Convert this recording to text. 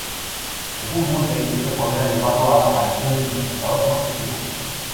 Según Mulvey, este poder ha llevado a la aparición de su "espectador posesivo".